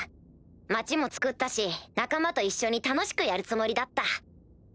町もつくったし仲間と一緒に楽しくやるつもりだった。